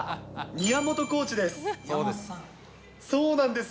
宮本コーチです。